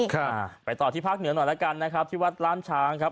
ค่ะไปต่อที่ภาคเหนือหน่อยแล้วกันนะครับที่วัดล้านช้างครับ